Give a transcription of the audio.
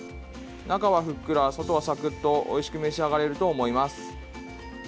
中はふっくら、外はサクッとおいしく召し上がれると思います。